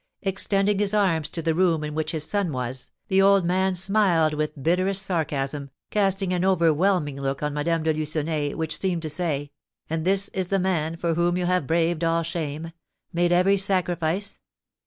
Extending his arms to the room in which his son was, the old man smiled with bitterest sarcasm, casting an overwhelming look on Madame de Lucenay, which seemed to say, "And this is the man for whom you have braved all shame, made every sacrifice!